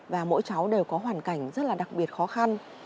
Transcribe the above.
và mỗi cháu đều có hoàn cảnh rất là đặc biệt khó khăn